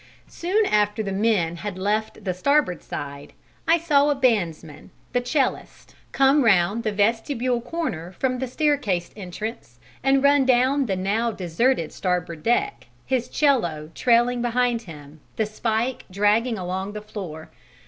Soon after the men had left the starboard side, I saw a bandsman the 'cellist come round the vestibule corner from the staircase entrance and run down the now deserted starboard deck, his 'cello trailing behind him, the spike dragging along the floor.